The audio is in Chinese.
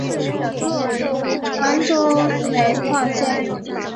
安州煤矿线